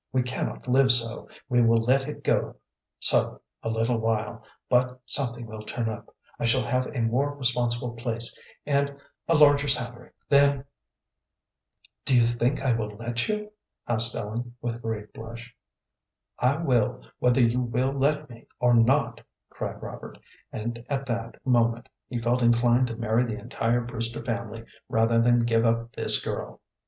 We cannot live so. We will let it go so a little while, but something will turn up. I shall have a more responsible place and a larger salary, then " "Do you think I will let you?" asked Ellen, with a great blush. "I will, whether you will let me or not," cried Robert; and at that moment he felt inclined to marry the entire Brewster family rather than give up this girl.